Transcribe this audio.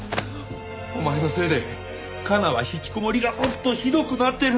お前のせいで加奈は引きこもりがもっとひどくなってるんだ！